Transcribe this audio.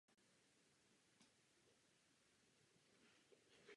Sám byl horlivým propagátorem srbské nacionální myšlenky mezi muslimy.